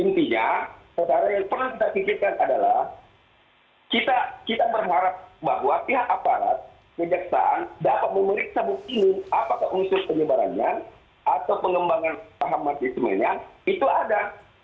intinya sekarang yang pernah kita pikirkan adalah kita berharap bahwa pihak aparat kejaksaan dapat memeriksa buktinya apakah unsur penyebarannya atau pengembangan paham marxismenya itu ada